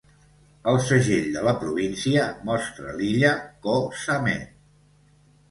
El segell de la província mostra l'illa Ko Samet.